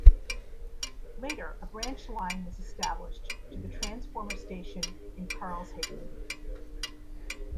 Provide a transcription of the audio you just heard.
Later, a branch line was established to the transformer station in Karlshagen.